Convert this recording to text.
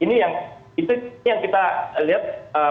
itu yang kita lihat